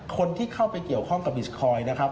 คนที่เข้าไปเกี่ยวข้องกับบิสคอยน์นะครับ